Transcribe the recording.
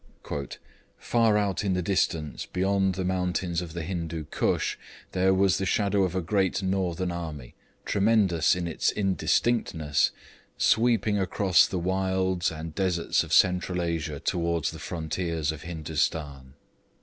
_] 'far out in the distance beyond the mountains of the Hindoo Koosh there was the shadow of a great Northern army, tremendous in its indistinctness, sweeping across the wilds and deserts of Central Asia towards the frontiers of Hindostan.'